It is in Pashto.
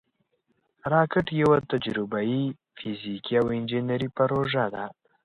راکټ یوه تجربهاي، فزیکي او انجینري پروژه ده